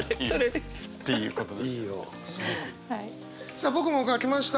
さあ僕も書きました。